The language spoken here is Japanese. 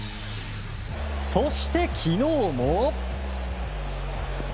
そして昨日も。